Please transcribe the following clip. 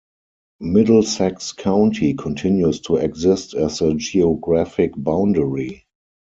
Middlesex County continues to exist as a geographic boundary.